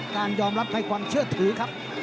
การยอมรับให้ความเชื่อถือครับ